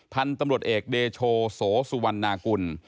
พันธุ์ตำรวจเอกเดโชโสสุวรรณากุล